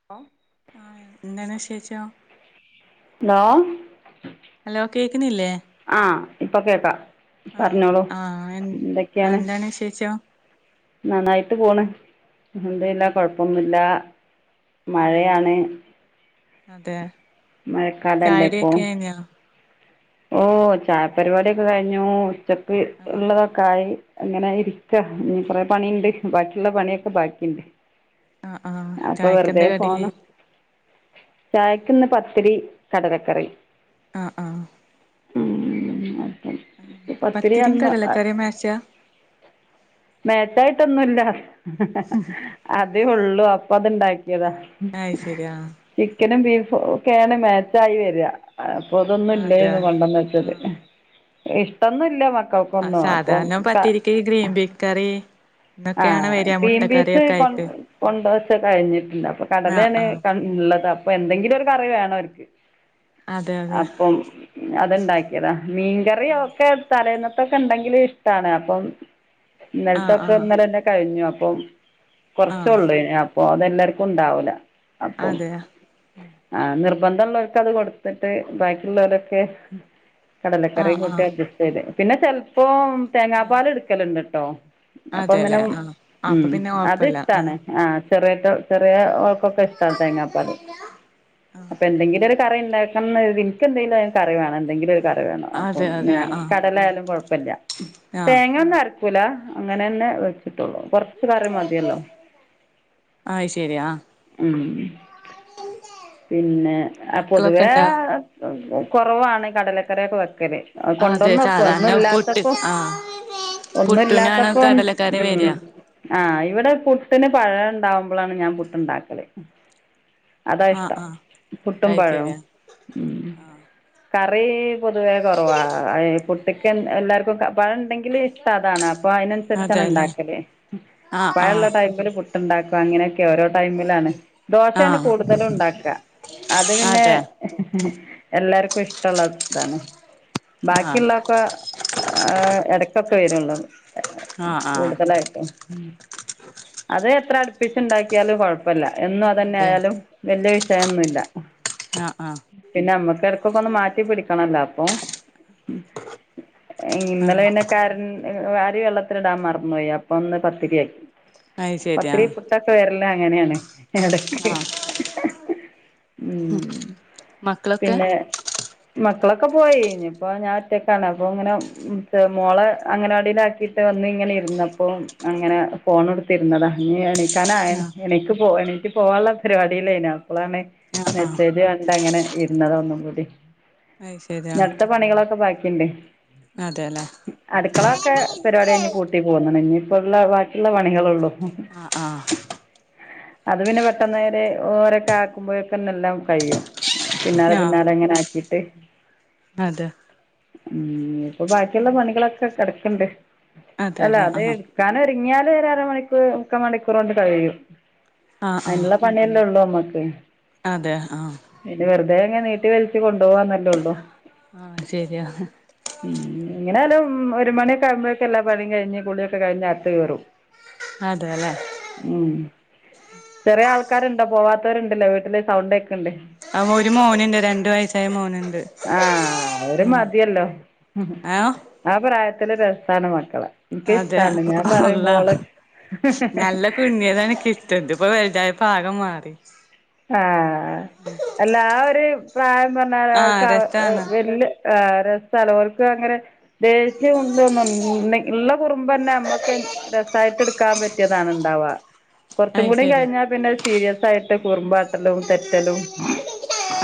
[inaudible] ആഹ് എന്താണ് വിശേഷം? Hello hello കേക്ക്ന്നില്ലേ? ആഹ് ഇപ്പൊ കേക്കാ പറഞ്ഞോളൂ എന്തെക്കെയാണ്? ന്താ വിശേഷം? നന്നായ്ട്ട് പോണ് ന്തില്ല ഉം കൊഴപ്പൊന്നുല്ല ആഹ് മഴയാണ്. അതെ? മഴക്കാലല്ലേ ഇപ്പൊ? ചായുടിയൊക്കെ കഴിഞ്ഞോ ഓ ചായ പരിപാടി ഒക്കെ കയിഞ്ഞു ഉച്ചക്ക് ആഹ് ഉള്ളതൊ കായ് അങ്ങനെ ഇരിക്ക ഇനി കൊറെ ഉം പണിണ്ട് ബാക്കിള്ള പണിഒക്കെ ബാക്കിണ്ട്. ആഹ് ആഹ് അപ്പൊ വെറുതെ ചായക്കെന്താ കടി ഫോണ് ചായക്ക്ന്ന് പത്തിരി കടലക്കറി. ആഹ് ആഹ്. ഉം അപ്പം പത്തിരി പത്തിരിയും അന്ന് കടലക്കറിയും മേച്ചാ മേച്ചായിട്ടൊന്നുല്ല അതേ ഉള്ളൂ അപ്പൊ അത്ണ്ടാക്കിതാ. അത്ശെരി ആഹ് ചിക്കനും ബീഫും ഒക്കെയാണ് മാച്ചായി വെരാ. അതെ അപ്പൊതൊന്നുംല്ലേന്ന് കൊണ്ടന്നച്ചത് ആഹ് ഇഷ്ടന്നുല്ല മക്കക് ആഹ് സാധാരണ പത്തിരിയ്ക് ഗ്രീൻ പീസ് കറി ഇന്നൊക്കെയാണ് ആഹ് വരിക ഗ്രീൻപീസ് മുട്ടക്കറിയൊക്കെ കൊ ആയിട്ട് കൊണ്ടോച്ച കയിഞ്ഞിട്ട്ണ്ട് അപ്പൊ ആഹ് കടലെണ് ആഹ് ക ഉള്ളത് അപ്പൊ എന്തെങ്കിലും ഒരു കറി വേണോ ഓര്ക്ക് അതെ അതെ അപ്പം അത്ണ്ടാക്യാതാ മീൻകറി ആഹ് ഒക്കെ തലേന്നത്തക്കെ ണ്ടെങ്കില് ഇഷ്ടാണ് അപ്പം ആഹ് ഇന്നൽത്തൊക്കെ ആഹ് ഇന്നലന്നെ കയിഞ്ഞു അപ്പം ആഹ് കൊറചോള്ളെയ്നി അ അപ്പൊ അതെല്ലർക്കും ണ്ടാവുല. അതെയ? ആഹ് നിർബന്ധം ള്ളോര്ക്ക് അത് കൊട്ത്ട്ട് ബാക്കിള്ളോരൊക്കെ ആഹ് കടലക്കറിയും കൂട്ടി ആഹ് അഡ്ജസ്റ്റ് ചെയ്ത് പിന്നെ ചെലപ്പോ തേങ്ങാ പാല് എട്ക്കല്ണ്ട് ട്ടോ. അപ്പം അതെല്ലേ പിനം ആഹ് അപ്പൊ ഉം പിന്നെ അത് കൊഴപ്പല്ല ഇഷ്ടാണ്. ആഹ് ചെറിയട്ട ചെറിയ ഓക്കൊക്കെ ഇഷ്ട തേങ്ങാപ്പാല്. അപ്പൊ എന്തെങ്കിലും ഒരു കറി ണ്ടാക്കണം കര്തി ഇൻക് എന്തെലു ഒര് കറി വേണം എന്തെങ്കിലും ഒര് കറി വേണം അപ്പം അതെ അതെ ഞാൻ ആഹ് കടലായാലും കൊഴപ്പല്ല ആഹ് തേങ്ങ ഒന്നും അര അരകുല അങ്ങനെ ന്നെ വെച്ചിട്ടുള്ളൂ കൊർ കൊറച്ച് കറി മതിയല്ലോ ഉം അല്ല. പിന്നെ പൊതുവേ കൊറവാണ് കടലകറി ഒക്കെ വെക്കല്. അതെ കൊണ്ടന്ന് വെക്കും ഒന്നും സാധാരണ പുട്ട് ഇല്ലാത്തപ്പൊ ആഹ് ഒന്നും പുട്ടിനാണ് ഇല്ലാത്തപ്പം കടലക്കറി ഉം വരിക ആഹ് ഇവിടെ പുട്ടിന് പഴണ്ടാവുമ്പളാണ് ഞാൻ പുട്ടുണ്ടാക്കല്. അതാ ആഹ് ഇഷ്ടം ആഹ് പുട്ടും അത് പഴോം ശരിയാ ഉം ആഹ് കറീ പൊതുവേ കൊറവാ അയ് പുട്ടിക്ക് എല്ലാർക്കൊക്കെ പഴണ്ടെങ്കിൽ ഇഷ്ടതാണ് അപ്പൊ അയ്നൻസരിച്ചാണ് അതെല്ലേ ഇണ്ടാക്കല് ആഹ് പഴള്ള ആഹ് ടൈമില് പു ട്ടുണ്ടാക്ക അങ്ങനൊക്കെ ഓരോ ടൈമിലാണ് ദോശേണ് ആഹ് കൂടുതലും ഇണ്ടാക് ക്ക അത് പിന്നെ അതെ എല്ലാർക്കും ഇഷ്ടള്ള താണ്. ആഹ് ആഹ് ബാക്കിയുള്ളക്കെ ഏഹ് എടക്കൊക്കെ വരൊള്ളൂ. ഏഹ് ആഹ് കൂടുതലായിട്ടും അത് എത്ര അടുപ്പിച്ച്ണ്ടാക്കിയാലും കൊഴപ് പ്പല്ല എന്നും അതെ അതന്നായാലും വല്യ വിഷയൊന്നുല്ല. ആഹ് ആഹ് പിന്ന നമ്മക്കെടക്കൊക്കൊന്ന് മാറ്റി പിടിക്കണല്ലോ അപ്പൊ ഇന്നലെ ആഹ് പിന്നെ കരൺ അരി വെള്ളത്തിലിടാൻ മറന്നോയി അപ്പന്ന് പത്തിരിയാക്കി അത് ശരി പത്തിരി ആഹ് ക്കൊക്കെ വര്ല് അങ്ങനേണ് എടക്ക് ആഹ് ഉം മക്കളൊക്കെ പിന്നെ മക്കളൊക്കെ പോയി ഇഞ്ഞിപ്പൊ ഞാൻ ഒറ്റക്കാണ് അപ്പങ്ങനെ മോളെ അങ്ങ അങ്കനവാടീലാക്കീ ട്ട് വന്നിങ്ങനെ ഇരുന്നപ്പോ അങ്ങനെ ഫോൺ എടുത്തിരുന്നതാ ഇഞ്ഞി ആണേ ക്കാനായേണ് ആഹ് എണീക്ക് പോ എണീറ്റ് പോവാൻ ഉള്ള പരിപാടിയില്ലയ്നു ഇപ്പളാണ് ആഹ് ആഹ് മെസ്സേജ് കണ്ട് അങ്ങനെ ഇരുന്നതൊന്നും കൂടി. അത് ശരി ഇഞ്ഞി ആഹ് അടുത്ത പണികളൊക്കെ ബാക്കിണ്ടേയ് അതെല്ലേ അടുക്കളൊക്കെ പരിപാടി കഴിഞ്ഞ് പൂട്ട് ട്ടി പോന്ന്ണ് ഇഞ്ഞ്പ്പ്ള്ള ബാക്കിള്ള പണികളൊള്ളൂ. ആഹ് ആഹ് അത് പിന്നെ പെട്ടെന്നേര് ഓരൊക്കെ ആക്കുമ്പഴേക്കന്നെ എല്ലാ കഴിയും. പിന്നാലെ ആഹ് പിന്നാലെങ്ങനാക്കീട്ട് അതെ ഉം ഇഞ്ഞിപ്പൊ ബാക്കിള്ള പണികളൊക്കെ കെട്ക്ക്ണ്ട്. അല്ല അതെല്ലേ അത് ആഹ് എടുക്കാനൊര്ങ്ങിയാല് ഒരരമണിക്കൂർ മുക്കാ മണിക്കൂറോണ്ട് കഴിയും. ആഹ് ആഹ് അയ്ന്ള്ള പണിയെല്ലൊള്ളൂമ്മക്ക്. അതെ ആഹ് അയ്നെ വെറുതെങ്ങനെ നീട്ടി വലിച്ച് കൊണ്ടോവാന്നല്ലൊള്ളു. ആഹ് ശരിയാ ഉം എങ്ങനെയാലും ഒരു മണിക്കാവുമ്പഴ്ക്കെല്ലാ പണിം കഴിഞ് കുളിയൊക്കെ കഴിഞ്ഞ് അകത്ത് കയറും. അതേല്ലേ? ഉം കൊറേയാൾക്കാരുണ്ടോ പോവാത്തോരുണ്ട്ല്ലേ വീട്ടില് സൗണ്ടേക്ക്ണ്ട്. ആ ഒര് മോനുണ്ട് രണ്ട് വയസായ മോനുണ്ട് ഉം ആഹ് ആപ്രായത്തില് രസാണ് മക്കളെ. അതെ എനിക്കിഷ്ടാണ് ഞാൻ പറയും മോള് അള്ളാഹ് നല്ല കുഞ്ഞിയതാണെൻക്കി ഇത്പ്പോ വലുതായപ്പാക മാറി. ആഹ് അല്ലാ ആ ഒര് പ്രായം പറഞ്ഞാ ആഹ് അർക്ക് അ രസാണ് വെല്ല്യ ആഹ് രസാണ് ഓല്ക്കങ്ങനെ ദേഷ്യമുണ്ടോന്ന്ണ്ണി ഇള്ള കുറുമ്പന്നെ നമ്മക്ക് രസായിട്ട് ഇടുക്കാ പറ്റിയതാണുണ്ടാവാ. കൊറ്ച്ചും അത് കൂടി ശരി കഴിഞ്ഞാ പിന്നഅ് സീരിയസായിട്ട് കുറുമ്പാട്ടലും തെറ്റലും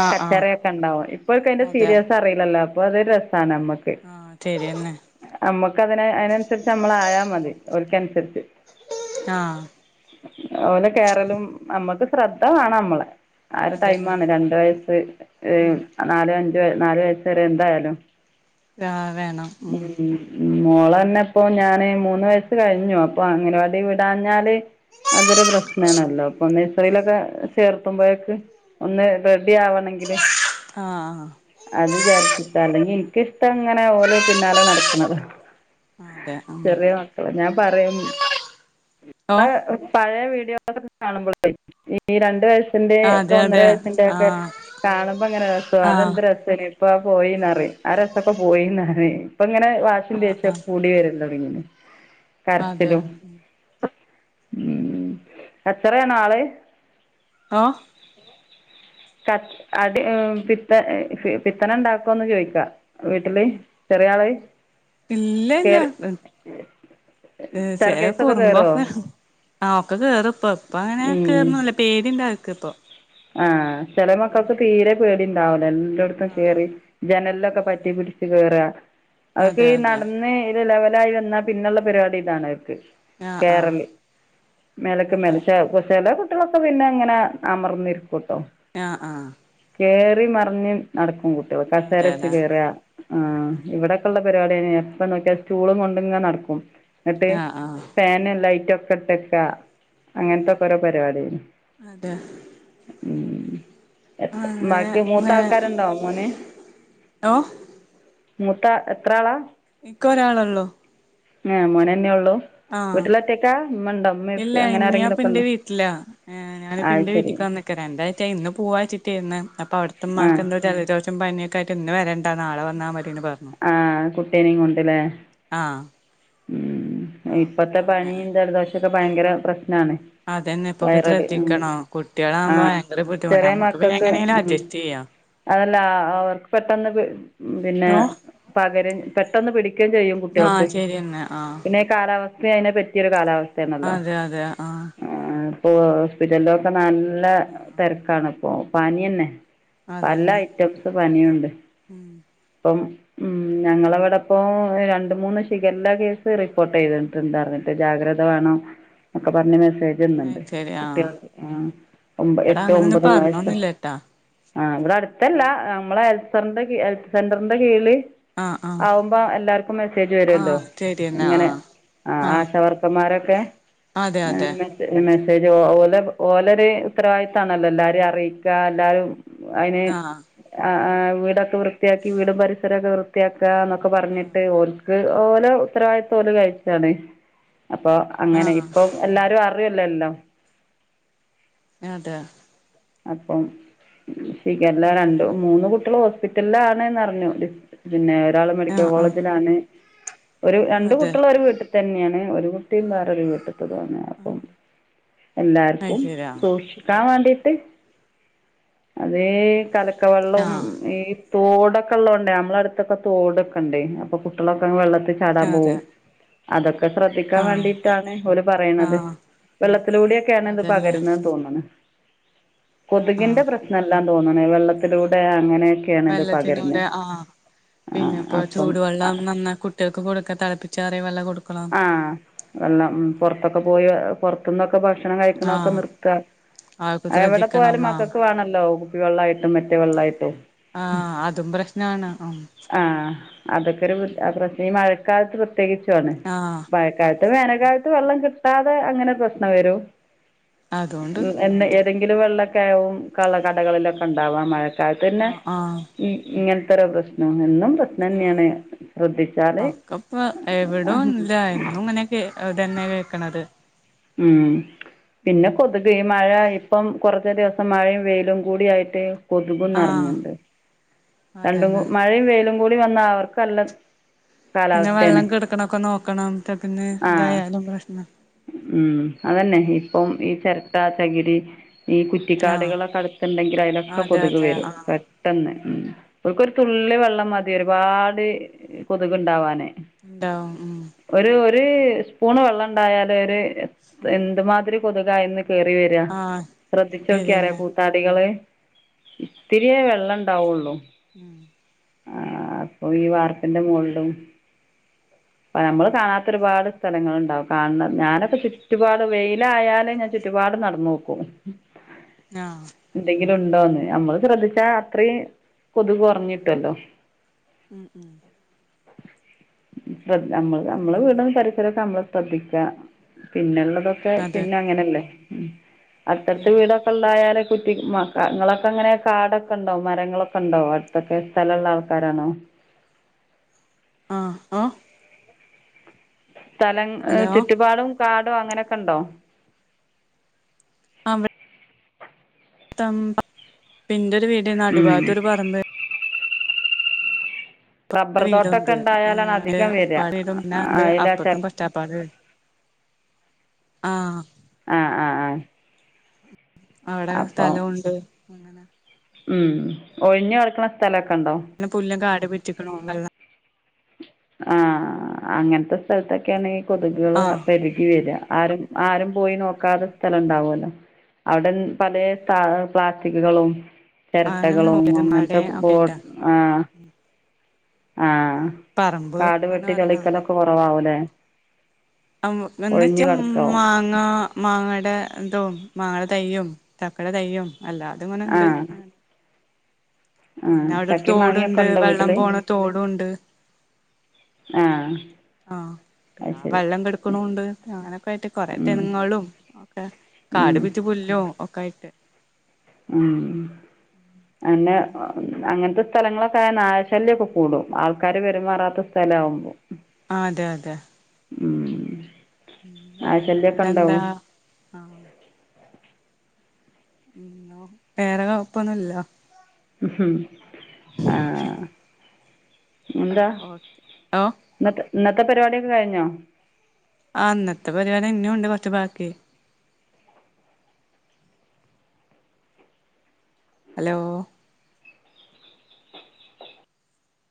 ആഹ് ആഹ് കച്ചെറേക്കെ ഉണ്ടാവും ഇപ്പോൽക്കയിന്റെ അതെ സീരിയസറിയില്ലല്ലോ അപ്പൊ അത് രസാണമ്മക്ക്. ആഹ് തെരിയെന്നെ. അമ്മക്കങ്ങനെ അയിനനുസരിച്ചമ്മളായാ മതി. ഓൽക്കൻസര്ച്ച്. ആഹ് ഓലെ കേറലും നമ്മക്ക് ശ്രദ്ധ വാണമ്മളെ. ആ ഒരു അതന്നെ ടൈമാണ് രണ്ട് വയസ്സ് ഏഹ് ഉം നാല് അഞ്ച് നാലു വയസരെ എന്തായാലും. ലാ വേണം ഉം. ഉം മോളെന്നെപ്പൊ ഞാന് മൂന്ന് വയസ്സ് കഴിഞ്ഞു അപ്പൊ അങ്ങനവാടി വിടാഞ്ഞാല്. അതൊരു പ്രശ്നാണല്ലോ അപ്പൊ ഒന്ന്. സറിയിലൊക്കെ ചേർത്തുമ്പോഴേക്ക് ഒന്ന് റെഡി ആവണെങ്കില്. ആഹ് അത് വിചാരിച്ചിട്ടാണ് ഞ്ഞ് ഇന്ക്കിഷ്ടങ്ങനെ ഓലെ പിന്നാലെ നടക്ക്ണതാ ആഹ് അതെ ഉം ചെറിയ മക്കള ഞാൻ പറയും ഓഹ് അഹ് ഉം. പയേ വീഡിയോസൊക്കെ കാണുമ്പളേ ഈ രണ്ട് വയസ്സിന്റെ ഒക്കെ അതെ ഒന്നര അതെ വയസ്സിന്റെ ഒക്കെ. ആഹ് കാണുമ്പോ അങ്ങനെ രസാ ആഹ് അതെന്ത് രസലെ ഇപ്പ പോയിന്നറി ആ രസൊക്കെ പോയിന്നറി ഇപ്പ ഇങ്ങനെ വാഷിം ആഹ് ആഹ് ദേശ്യൊക്കെ കൂടി വരാൻതൊട്ങ്ങീന്. അതെ കരച്ചിലും ഉം കച്ചറയാണോ ആള്. ആഹ് ക അട്യോ ഏഹ് പിത്ത പിത്തന ണ്ടാക്കോന്ന് ചോയിക്ക. വീട്ടില് ചെറിയ ആള്. ഇല്ല ഇല്ല ഏഹ് ഏഹ് ചെലെ സ്റ്റെയർകേസ് ഒക്കെ കുറുമ്പോക്കെ ആഹ് ഒക്കെ കേറുപ്പം ഇപ്പ അങ്ങനെ കയറുമോ കേറുന്നുല്ല പേടിന്റവക്ക്പ്പം. ആഹ് ചെല മക്കൾക്ക് തീരെ പേടിണ്ടാവൂല എല്ലട്ത്തും ആഹ് കേറി ജനൽലൊക്കെ അതെ പറ്റിപിടി ച്ച് കേറ അതൊക്കെ അതെ ഈ അതെ നടന്ന് ലെവലായി വന്നാ പിന്നുള്ള പരിപാടി ഇതാണ് അവര്ക്ക്. ആഹ് ആഹ് കേറല് മേലക്ക് മേല അതെ ശെ ശെലെ കുട്ടികളൊക്കെ പിന്നെ ങ്ങന അമർന്നിരി ക്കുട്ടോ ആഹ് ആഹ് കേറി മറിഞ് നടക്കും കുട്ട്യോള് കസേരച്ച് അതെല്ലേ കേറ. ആഹ് ഇവിടെക്കെള്ള പരിപാടിയാണ് എപ്പൊ നോക്കിയാൽ സ്റ്റൂളും കൊണ്ട്ങ്ങ നടക്കും. ന്നട്ട് ആഹ് ആഹ് ഫേനും ലൈറ്റ് ഒക്കെ ഇട്ടക്ക അങ്ങനത്തൊ ക്കൊരോ പരിപാടിയേനു അതെ. ഉം എഹ് എത അങ്ങനെ ബാക്കി മൂത്ത ആൾക്കാരുണ്ടോ മോന്. ഓഹ് മൂത്താ എത്ര ആളാ. ഇക്ക് ഒരാളൊള്ളൂ. ങേ മോനെന്നെ ഉള്ളൂ. ആഹ് വീട്ടിലൊറ്റക്കാ ഉമ്മണ്ടോ ഉമ്മ ഇല്ല അങ്ങനെ ഇന്ന് ആരെങ്കിലും ഒക്കെ ഞാപിന്റെ ഉണ്ടോ വീട്ടിലാ ഏഹ് ഞാന് അത് പിന്റെ ശരി വീട്ടിക്ക് വന്ന്. ക്ക് രണ്ടാച്ചയ് ഇന്ന് പോവാച്ചിട്ടേര്ന്ന് അപ്പൊ ആ അവിടത്തെമ്മാക്ക് എന്തോ ജലദോഷം പനിം. ക്കയിട്ട് ഇന്ന് വരണ്ട നാളെ വന്നാ മതി ന്ന് പറഞ്ഞു. ആഹ് കുട്ടീനേം കൊണ്ട് ലേ. ആഹ് ഉം അപ്പ ഇപ്പത്തെ അങ്ങനെ പനിയും ജലദോഷൊക്കെ ഭയങ്കര പ്രശ്നാണ്. അതന്നെ ഇപ്പൊക്ക വൈറല് ഉം ശ്രദ്ധിക്കണോം ആ കുട്ടികളാകുമ്പോ ഭയങ്കര ബുദ്ധിമുട്ടാ ചെറിയ നമ്മക്ക് പിന്നെ മക്കൾക്ക് എങ്ങനെയെങ്കിലും ഉം അട്ജസ്റ്റ് ചെയ്യാം. അതല്ല ആഹ് അവർക്ക് പെട്ടെന്ന് പി പിന്നെ. ഓ പകരും പെട്ടെന്ന് പിടിക്കയും ചെയ്യും ആഹ് കുട്ടികൾക്ക് ശരിയെന്നെ ആഹ് പിന്നെ. കാലാവസ്ഥയും അയിന് പറ്റിയൊരു കാലാവസ് അതെ അതെ ആഹ്. ആഹ് ഇപ്പൊ ഹോസ്പിറ്റലിലൊക്കെ നല്ല തിരക്കാണ് ഇപ്പോ പനിയന്നെ. പല അതന്നെ ഐറ്റംസ് പനിയുണ്ട്. ഉം. ഇപ്പം. ഉം ഞങ്ങളവിടെപ്പോ രണ്ട് മൂന്ന് ഷിഗല്ല കേസ് റിപ്പോർട്ട് ചെയ്തിട്ടുണ്ടാറിന്നു. ജാഗ്രത വേണം ഒക്കെ പറഞ്ഞ് മെസ്സേ ഇന്ന്ണ്ട് അത് ശരി ആഹ് കുട്ടിയാക്ക് ആഹ് ഇവിടെ എട്ടും അങ്ങനൊന്നും ഒമ്പതും വയസ്സ് പറഞ്ഞൊന്നുല്ലട്ടാ ആഹ് ഇവിടെ അടുത്തല്ല നമ്മളെ ഹെല്പറിന്റെ ഹെൽത്ത് സെന്ററിന്റെ കീഴില്. ആഹ് ആഹ് ആവുമ്പോ എല്ലാർക്കും മെസ്സേജ് വരുല്ലോ ആഹ് ശരിയെന്നെ ഇങ്ങനെ ആഹ് ആഹ് ആശാ വർക്ക ർമാരൊക്ക അതെ അതെ [unintelligible] മെസ്സേജ് ഓലെ ഓലൊരു ഉത്തരവാദിത്താണല്ലോ എല്ലാരേം അറിയിക്കാ എല്ലാരും അയിന് ആഹ് ആഹ് വീടൊക്കെ വൃത്തിയാക്കി വീടും പരിസരൊക്കെ വൃത്തിയാക്കാന്നൊ ക്കെ ആഹ് പറഞ്ഞിട്ട് ഓൽക്ക് ഓലെ ഉത്തരവാദിത്തോല് കഴിച്ചാണ് അപ്പൊ അങ്ങനെ ആഹ് ഇപ്പൊ എല്ലാരും അറിയല്ലല്ലോ അതെ അപ്പം ഷിഗല്ല രണ്ടു അങ്ങനെ മൂന്ന് കുട്ടികള് ഹോസ്പിറ്റല്ലാണ് എന്നറിഞ്ഞു പിന്നെ ഒരാള് മെഡിക്കൽ ആഹ് ആഹ് കോളേജിലാണ് ഒരു രണ്ട് അതെ കുട്ടികളൊര് വീട്ട് തന്നെയാണ് ഒരു കുട്ടിയും വേറൊരു വീട്ടിത്തതാണ് അപ്പം അത് എല്ലാർക്കും ശരി ആഹ് സൂക്ഷിക്കാൻ വേണ്ടീട്ട് അതീ കലക്ക വെള്ളോം ആഹ് ഈ തോടൊക്കെള്ളോണ്ടേ നമ്മളടുത്തൊക്കെ തോടൊക്കെണ്ടേ അപ്പൊ കുട്ടികളൊക്കങ് വെള്ളത്തിൽ ചാടാൻ അതെ പോകും അതൊക്കെ ശ്രദ്ധിക്കാൻ ആഹ് വേണ്ടീട്ടാണ് ഓല് പറയണത് ആഹ് വെള്ളത്തിലൂടെയൊക്കെയാണിത് അതന്നെ പകരുന്നത് തോന്നണ് ആഹ് കൊതുകിന്റെ ആഹ് പ്രശ്നല്ലാ തോന്നണ് വെള്ളത്തിലൂടെ അങ്ങനെ ഒക്കെ വെള്ളത്തിനൂടെ ആഹ് ആ പിന്നിപ്പോ അപ്പം ആ ചൂടുവെള്ളം നന്നായി കു കുട്ട്യാക്ക് കൊടുക്കാ തിളപ്പിച്ചാറിയ വെള്ളം കൊടുക്കണം ആഹ് വെള്ളം പൊറത്തൊക്കെ പോയി പൊറത്തുന്നൊക്കെ ഭക്ഷണം കഴിക്കണതൊക്കെ ആഹ് നിർത്തുക അതൊക്കെ എവിടെ ശ്രദ്ധിക്കണം പോയാലും ആഹ് മക്കക്ക് വേണല്ലോ കുപ്പി വെള്ളായിട്ടും മറ്റേ വെള്ളായിട്ടും ആഹ് അതും പ്രശ്നമാണ് ഉം ആഹ് അതൊക്കെരു അതൊക്കീ മഴക്കാലത്ത് പ്രത്യേകിച്ചോ ആഹ് മഴക്കാലത്ത് വേനൽക്കാലത്ത് വെള്ളം കിട്ടാതെ അങ്ങനെ ഒരു പ്രശ്നം വരും അതുകൊണ്ട് എന്ന ആഹ് ഏതെങ്കിലും വെള്ളൊക്കാവും കള കടകളിലൊക്കെയുണ്ടാവാ മഴ ക്കാലത്തെന്നെ ആഹ് ആഹ് ഇങ്ങനത്തൊരു പ്രശ്നം എന്നും പ്രശ് ആഹ് നന്നെയാണ് ശ്രദ്ധിച്ചാല് ആഹ് എന്നും ഇങ്ങനെയൊക്കെ ഇതന്നെ കേൾക്കണത് ഉം പിന്നെ കൊതുക് ഈ മഴ ഇപ്പം കുറച്ച് ദിവസം മഴയും വെയിലും കൂടി ആയിട്ട് കൊതുകും ആഹ് നിറഞ്ഞുണ്ട് രണ്ടും അതന്നെ മഴയും വെയിലും കൂടി വന്നാ അവർക്ക് നല്ല പിന്നെ വെള്ളം കാലാവസ്ഥയാണ് കിടക്ക്ണൊക്കെ നോക്കണം പിന്നെ ആ ഇതായാലും പ്രശ്നാ ഉം അതന്നെ ഇപ്പം ഈ ചിരട്ട ചകിരി ഈ ആഹ് കുറ്റിക്കാടുകളൊക്കടുത്തുണ്ടെങ്കില് അയിലൊക്കെ അതെ കൊതുക് അതെ വരും ആഹ് [unintelligible] ഉം ഓൽക്കൊരു തുള്ളി വെള്ളം മതി ഒരുപാട് കൊതുക് ഉണ്ടാവാന് ഉണ്ടാവും ഉം ഒരു ഒരു സ്പൂൺ വെള്ളം ഉണ്ടായാലൊരു എന്ത്മാതിരി കൊതുകായിന്ന് കേറി വരാ ആഹ് ശ്രദ്ധിച്ച് നോക്കിയാ ശരിയെന്നെ അറിയാം [unintelligible] ഇത്തിരിയെ വെള്ളം ഉണ്ടാവുള്ളു ഉം ആഹ് അപ്പൊ ഈ വാർപ്പിന്റെ മോളിലും നമ്മള് കാണാത്ത ഒരുപാട് സ്ഥലങ്ങൾ ഉണ്ടാവും കാണ ഞാനൊക്കെ ചുറ്റുപാടും വെയിലായാലും ഞാൻ ചുറ്റുപാടും നടന്നോക്കും ആഹ് എന്തെങ്കിലുണ്ടോന്ന് നമ്മള് ശ്രദ്ധിച്ചാ അത്രയും കൊതുക് കുറഞ്ഞ് കിട്ടുല്ലോ ഉം ഉം ശ്രദ് നമ്മള് നമ്മളെ അങ്ങനെ വീടും പരിസരൊക്കെ നമ്മള് ശ്രദ്ധിക്ക പിന്നെ ഉള്ളതൊ ക്കെ അതെ പിന്നങ്ങനല്ലേ ഉം ഉം അടുത്തടുത്ത് വീടൊ ണ്ടായാലേ കുറ്റി നിങ്ങളൊക്കെ എങ്ങനെ കാടൊക്കെ ഉണ്ടാേ മരങ്ങളൊക്കെ ഉണ്ടാേ അ [unintelligible] സ്ഥല ഉള്ള ആൾക്കാരാണോ ആഹ് ആഹ് സ്ഥലം ഏഹ് ഹലോ ചുറ്റുപാടും കാടോ അങ്ങനൊക്കെ ഉണ്ടോ [unintelligible] [unintelligible] ഒരു വീട് നടു ഉം ഭാഗത്ത് ഒരു പറമ്പ്. റബ്ബർ വീടുണ്ട് തോട്ടമൊക്കെ ഉണ്ടായാലാണ് ഏഹ് അധികം വരിക ഉപ്പാടെ വീടും [unintelligible] അതിലാ ചെ അപ്പുറത്ത് കൊച്ചാപ്പാന്റെ വീടും. ആഹ് ആഹ് ആഹ്. ആഹ്. അവിടെ സ്ഥലം ഉണ്ട് അങ്ങനെ. ഉം ഒഴിഞ്ഞ്‌ കിടക്കുന്ന സ്ഥലക്കെ ഉണ്ടോ? പിന്നെ പുല്ലും കാട് പിടിച്ച് നിക്കണോ [unintelligible] ആഹ് അങ്ങനത്തെ സ്ഥലത്തൊക്കെയാണ് ഈ കൊതുകുകള് ആഹ് പെരുകി വരിക [unintelligible] ആരും പോയി നോക്കാത്ത സ്ഥലം ഉണ്ടാവല്ലോ. അവിടെ പലേ [unintelligible] പ്ലാസ്റ്റിക്കുകളും. അങ്ങനെ ചിരട്ടകളും നോക്കിയത് മടെ അങ്ങനത്തെ ബോ ഒക്കെട്ടാ ആഹ്. ആഹ് പറമ്പ് കാടു അങ്ങനെ വെട്ടി പറയാ തെളിക്കലൊക്കെ കുറവാവൂലേ. [unintelligible] [unintelligible] മാങ്ങയുടെ ഇതും മാങ്ങയുടെ തൈയ്യും ചക്കടെ തൈയ്യും. അല്ലതെ ഇങ്ങനെ ഉണ്ട്. [unintelligible] ആഹ് പിന്നെ അവിടെ ഒരു ചക്കയും മാങ്ങയൊക്കെ തോടുണ്ട് ഉണ്ടോ വെള്ളം വീട്ടില്. പോണ തോടുണ്ട് ആഹ്. ആഹ് പിന്നെ അത് ആ ശരി വെള്ളം കെടക്കണുണ്ട് അങ്ങനെയൊക്കൊയിട്ട് കുറെ ഉം തെങ്ങുകളും ഒക്കെ. ഉം കാട് പിടിച്ച പുല്ലും ഒക്കെ ആയിട്ട്. ഉം [unintelligible] അങ്ങനത്തെ. സ്ഥലങ്ങളൊക്കെ ആയ നായശല്യം ഒക്കെകൂടും ആൾക്കാര് പെരുമാറാത്ത സ്ഥലം ആകുമ്പോൾ. ആഹ് അതെ അതെ. ഉം നായ ശല്യം ഒക്കെ ഉണ്ടോ? വേറെന്താ ആഹ് ഉം [unintelligible] വേറെ കൊഴപ്പൊന്നും ഇല്ല. ഉം. എന്താ ഓക്കെ ഓ ഇന്നത്തെ ഇന്നത്തെ പരിപാടിയൊക്കെ കഴിഞ്ഞോ? ആ, ഇന്നത്തെ പരിപാടി ഇഞ്ഞുണ്ട് കൊറച്ച് ബാക്കി. ഹലോ.